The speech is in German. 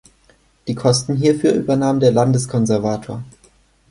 Die Kosten hierfür übernahm der Landeskonservator.